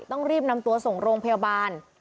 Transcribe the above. ต้องรีบนำตัวส่งโรงพยาบาล